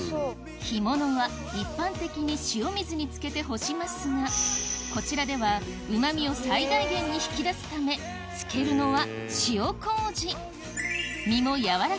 干物は一般的に塩水につけて干しますがこちらではうま味を最大限に引き出すため身もなるほど。